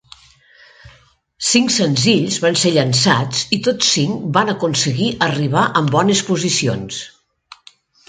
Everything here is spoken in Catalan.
Cinc senzills van ser llançats i tots cinc van aconseguir arribar en bones posicions.